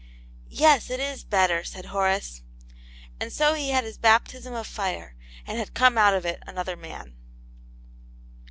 " Yes, it is better I " said Horace. And so he had his baptism of fire, and had come out of it another man.